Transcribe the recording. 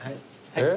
はい。